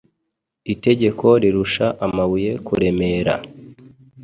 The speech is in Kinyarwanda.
Itegeko rirusha amabuye kuremera